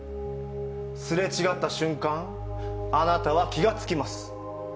すれ違った瞬間、あなたは気がつきます。